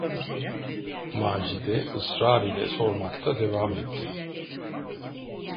Macide ısrar ile sormakta devam etti: